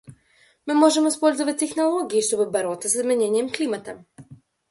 Мы можем использовать технологии, чтобы бороться с изменением климата.